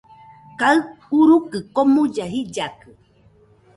Kaɨ urukɨ komuilla jillakɨ